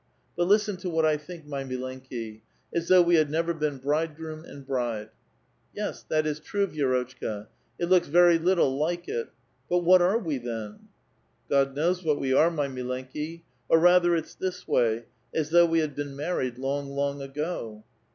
But listen to what I think, my ^^nileiiki^ as though we had never been bridegroom and Vwide.'' • Yes, that is true, Vi^rotchka ; it looks very little like it. !^ut what are we then ?"*^ God knows what we are, my milenki; or rather it's this '^v^s.y : as though we had been married, long, long ago."